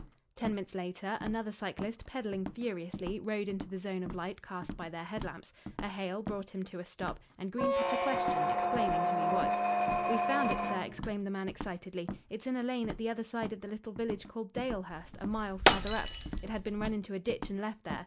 Ten minutes later, another cyclist, pedaling furiously, rode into the zone of light cast by their head lamps. A hail brought him to a stop, and Green put a question, explaining who he was. "We've found it, sir," exclaimed the man excitedly. "It's in a lane at the other side of the little village called Dalehurst, a mile farther up. It had been run into a ditch and left there.